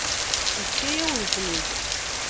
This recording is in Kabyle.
Yefka-yawen-ten-id.